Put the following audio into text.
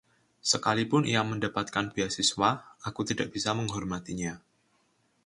Sekalipun ia mendapatkan beasiswa, aku tidak bisa menghormatinya.